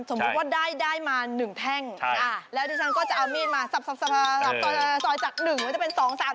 สมมุติว่าได้มา๑แพงแล้วดิฉันก็จะเอาเมียนมาซ่อยจาก๑มันจะเป็น๒๓๔ห้าว